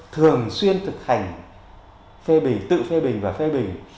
thường xuyên thực hành phê bình tự phê bình và phê bình